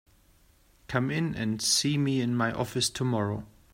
Come in and see me in my office tomorrow.